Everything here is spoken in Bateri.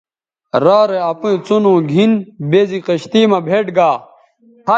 آ رارے اپئیں څنو گِھن بے زی کشتئ مہ بھئیٹ گا